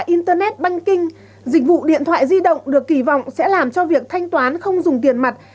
internet banking dịch vụ điện thoại di động được kỳ vọng sẽ làm cho việc thanh toán không dùng tiền mặt